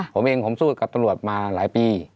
ผมเองผมสู้กับตำรวจมาหลายปี